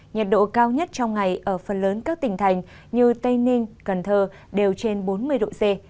nhiệt độ cao nhất trong ngày ở phần lớn các tỉnh thành như tây ninh cần thơ đều trên bốn mươi độ c